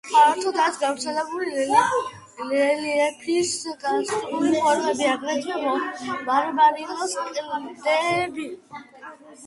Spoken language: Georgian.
ფართოდ არის გავრცელებული რელიეფის კარსტული ფორმები, აგრეთვე მარმარილოს კლდეები.